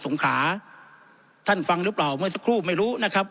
งขาท่านฟังหรือเปล่าเมื่อสักครู่ไม่รู้นะครับ